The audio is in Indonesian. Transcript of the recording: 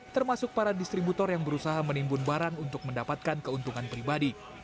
termasuk para distributor yang berusaha menimbun barang untuk mendapatkan keuntungan pribadi